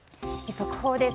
速報です。